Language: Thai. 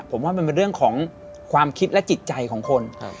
ผมว่ามันเป็นเรื่องของความคิดและจิตใจของคน